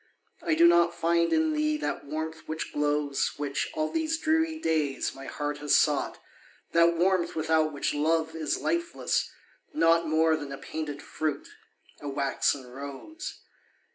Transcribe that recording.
I do not find in thee that warmth which glows, Which, all these dreary days, my heart has sought, That warmth without which love is lifeless, naught More than a painted fruit, a waxen rose.